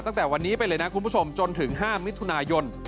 ตั้งแต่วันนี้ไปเลยนะคุณผู้ชมจนถึง๕มิถุนายน